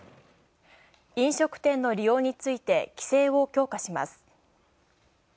飲食店の利用について規制を強化します。